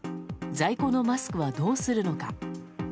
在庫のマスクは、どうするのか。